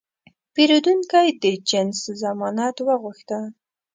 پیرودونکی د جنس ضمانت وغوښته.